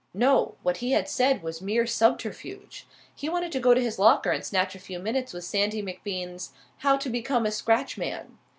No! What he had said was mere subterfuge. He wanted to go to his locker and snatch a few minutes with Sandy MacBean's "How to Become a Scratch Man".